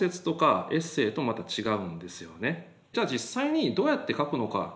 じゃ実際にどうやって書くのか。